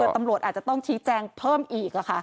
ตำรวจอาจจะต้องชี้แจงเพิ่มอีก